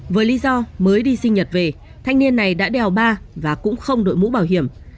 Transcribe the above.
với lý do mới đi sinh nhật về thanh niên này đã đèo ba và cũng không đội mũ bảo hiểm